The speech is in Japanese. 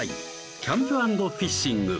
キャンプ＆フィッシング！